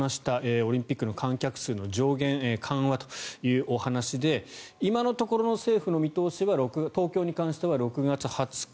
オリンピックの観客数の上限緩和というお話で今のところの政府の見通しは東京に関しては６月２０日